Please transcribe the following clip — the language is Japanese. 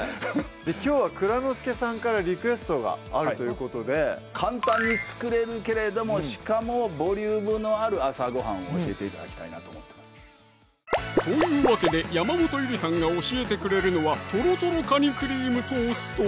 きょうは蔵之介さんからリクエストがあるということで簡単に作れるけれどもしかもボリュームのある朝ごはんを教えて頂きたいなと思ってますというわけで山本ゆりさんが教えてくれるのは「とろとろカニクリームトースト」